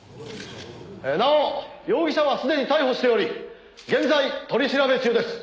「なお容疑者はすでに逮捕しており現在取り調べ中です」